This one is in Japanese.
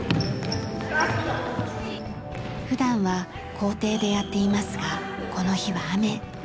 普段は校庭でやっていますがこの日は雨。